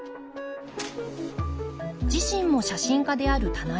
自身も写真家である棚井さん。